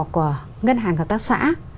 của ngân hàng hợp tác xã